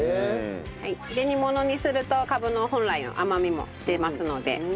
煮物にするとカブの本来の甘みも出ますので。